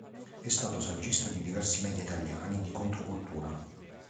È stato saggista di diversi media italiani di controcultura.